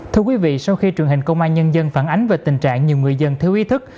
thưa quý vị sau khi truyền hình công an nhân dân phản ánh về tình trạng nhiều người dân thiếu ý thức